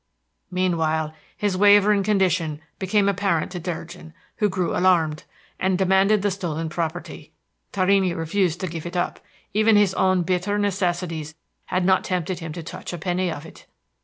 Meanwhile his wavering condition became apparent to Durgin, who grew alarmed, and demanded the stolen property. Torrini refused to give it up; even his own bitter necessities had not tempted him to touch a penny of it.